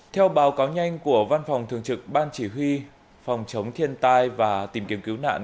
theo báo cáo nhanh của văn phòng thường trực ban chỉ huy phòng chống thiên tai và tìm kiếm cứu nạn